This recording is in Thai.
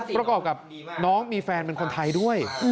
ประกอบกับน้องมีแฟนเป็นคนไทยด้วย